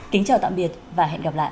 kính chào tạm biệt và hẹn gặp lại